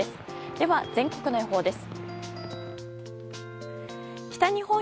では、全国の予報です。